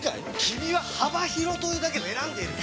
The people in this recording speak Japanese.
君は幅広というだけで選んでいる！